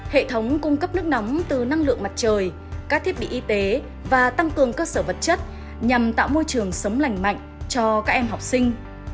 hệ thống cung cấp nước nóng từ năng lượng mặt trời các thiết bị y tế và tăng cường cơ sở vật chất nhằm tạo môi trường sống lành mạnh cho các em học sinh